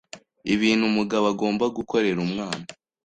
Ibintu umugabo agomba gukorera umwana